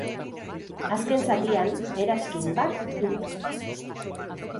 Azken zatian, eranskin bat du.